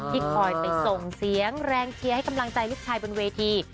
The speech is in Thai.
คอยไปส่งเสียงแรงเชียร์ให้กำลังใจลูกชายบนเวที